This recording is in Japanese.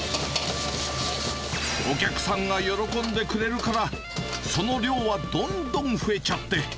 お客さんが喜んでくれるから、その量はどんどん増えちゃって。